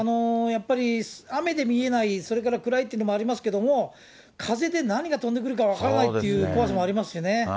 やっぱり雨で見えない、それから暗いっていうのもありますけど、風で何が飛んでくるか分からないっていう怖さもありますしね。